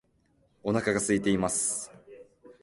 お腹が空いています